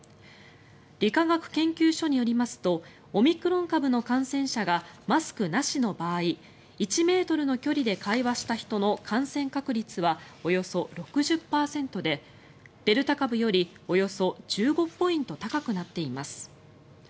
理化学研究所によりますとオミクロン株の感染者がマスクなしの場合１ｍの距離で会話した人の感染確率はおよそ６０％でデルタ株よりおよそ１５ポイント高くなっています。